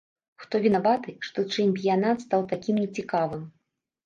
Хто вінаваты, што чэмпіянат стаў такім не цікавым?